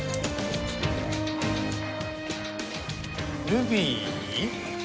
ルビー？